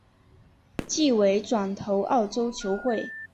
季尾转投澳洲球会。